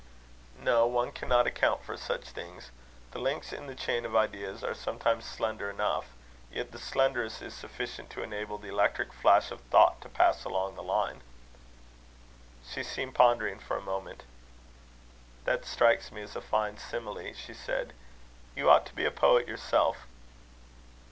"No. One cannot account for such things. The links in the chain of ideas are sometimes slender enough. Yet the slenderest is sufficient to enable the electric flash of thought to pass along the line." She seemed pondering for a moment. "That strikes me as a fine simile," she said. "You ought to be a poet yourself."